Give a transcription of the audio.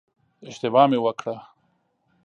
اشتباه مې وکړه.